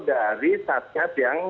dari satgas yang